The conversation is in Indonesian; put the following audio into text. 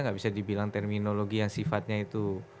nggak bisa dibilang terminologi yang sifatnya itu